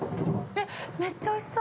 めっちゃおいしそう。